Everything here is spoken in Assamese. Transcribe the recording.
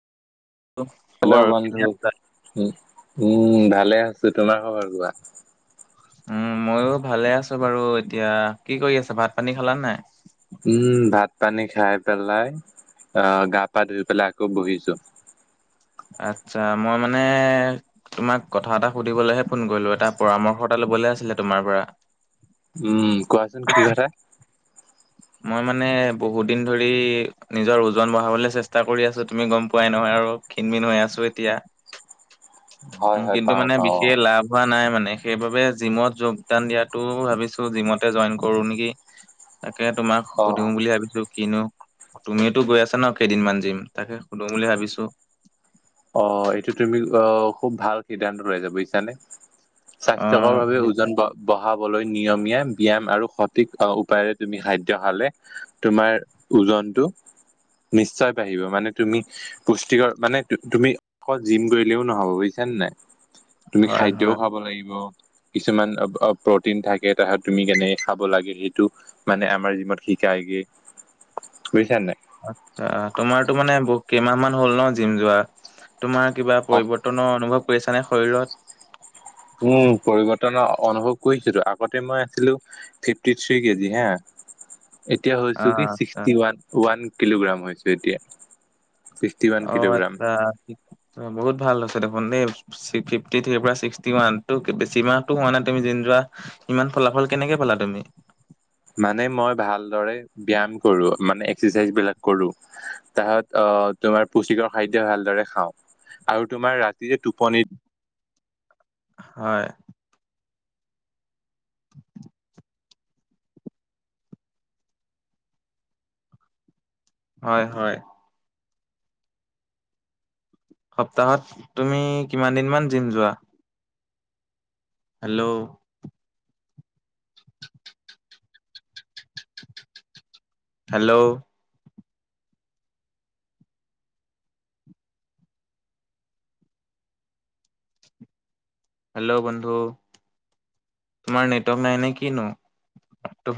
খবৰ হেল্ল' কেনে বন্ধু আছা? উ উম ভালে আছো তোমাৰ খবৰ কোৱা। উম মইো ভালে আছো বাৰু এতিয়া, কি কৰি আছে ভাত পানী খালা নাই? উম ভাত পানী খাই পেলাই আহ গা পা ধুই পেলাই আকৌ বহিছো। আচ্ছা মই মানে- তোমাক কথা এটা সুধিবলৈহে ফোন কৰিলো এটা পৰামৰ্শ এটা লবলৈ আছিলে তোমাৰ পৰা- উম কোৱাচোন কি কথা? মই মানে বহুতদিন ধৰি নিজৰ ওজন বঢ়াবলৈ চেষ্টা কৰি আছোঁ তুমি গম পোৱাই নহয় আৰু। ক্ষিনমিন হৈ আছো এতিয়া উ হয় হয় কিন্তু পাও মানে পাও বিশেষ লাভ। হোৱা নাই মানে সেইবাবে জিমত যোগদান দিয়াতটো ভাবিছো জিমতে জইন কৰো নেকি। তাকে তোমাক অ সুধোঁং বুলি ভাবিছো কিনো- তুমি তো গৈ আছা ন কেইদিনমান জীম তাকে সুধোঁং বুলি ভাবিছো। অ এইটো তুমি অ খুব ভাল সিদ্ধান্ত লৈ যা বুজিছানে। স্বাস্থ্যকৰ অ', ভাৱে বুজিছোঁ। ওজন বঢ়- বঢ়াবলৈ নিয়মীয়া ব্যায়াম আৰু সঠিক উপায়েৰে তুমি খাদ্য খালে। তোমাৰ ওজনটো নিশ্চয় বাঢ়িব মানে তুমি পুষ্টিকৰ মানে- টু তুমি আকৌ জিম কৰিলেও নহব বুজিছা নে নাই। তুমি হয়, খাদ্যও হয়, খাব লাগিব। কিছুমান প্ৰটিন থাকে তাহাত তুমি কেনে খাব লাগে সেইটো- মানে আমাৰ জীমত শিকায় যে বুজিছা নাই। আচ্ছা তোমাৰতো মানে বহু কেইমাহ মান হ'ল ন জিম যোৱা। তোমাৰ কিবা অ পৰিৱৰ্তনৰ অনুভৱ কৰিছানে শৰীৰত। উম পৰিৱৰ্তনৰ অনুভৱ কৰিছোতো আগতে মই আছিলো। ফিফটি থ্ৰী কেজি হা। এতিয়া হৈছো অ', কি আচ্ছা, ছিক্সটি ওৱান ওৱান কিলোগ্ৰাম হৈছো এতিয়া। ছিক্সটি ৱান অ', কিলোগ্ৰাম। আচ্ছা। বহুত ভাল আছে দেখোন দেই। ফিফটি থ্ৰিৰ পৰা ছিক্সটি ওৱান বেছি মাহতটো হোৱা নাই তুমি জিম যোৱা। ইমান ফলাফল কেনেকে পালা তুমি। মানে মই ভালদৰে ব্যায়াম কৰো মানে এক্সাৰচাইজ বিলাক কৰো। তাহত আহ তোমাৰ পুস্তিকৰ খাদ্য ভালদৰে খাওঁ আৰু তোমাৰ ৰাতি টোপনিৰ। হয় হয় হয় সপ্তাহত তুমি কিমান দিনমান জিম যোৱা। হেল্ল' হেল্ল' হেল্ল' বন্ধু তোমাৰ নেটৱৰ্ক নাই নে কি নো।